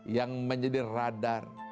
yang menjadi radar